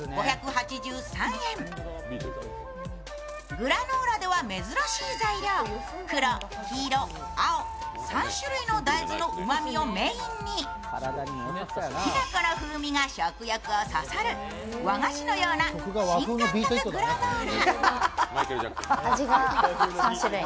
グラノーラでは珍しい材料、黒、黄色、青、３種類の大豆のうまみをメインに、きな粉の風味が食欲をそそる、和菓子のような新感覚グラノーラ。